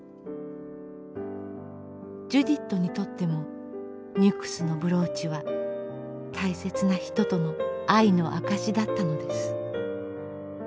ジュディットにとってもニュクスのブローチは大切な人との愛の証しだったのです。